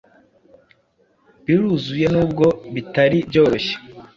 Biruzuye nubwo bitari byoroshye